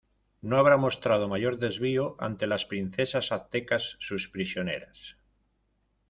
no habrá mostrado mayor desvío ante las princesas aztecas sus prisioneras